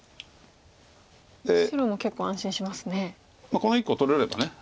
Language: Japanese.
この１個を取れればね。